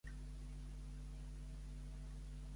Imatges de satèl·lit desmenteixen els danys al delta de l'Ebre.